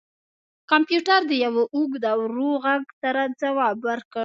کمپیوټر د یو اوږد او ورو غږ سره ځواب ورکړ